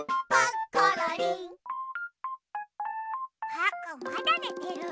パックンまだねてる。